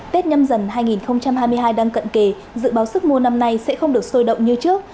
tết nhâm dần hai nghìn hai mươi hai đang cận kề dự báo sức mua năm nay sẽ không được sôi động như trước